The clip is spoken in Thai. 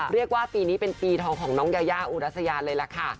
เรียกว่าปีนี้เป็นปีทองของน้องยายาอุรัสยาเลยล่ะค่ะ